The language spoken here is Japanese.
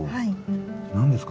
何ですか？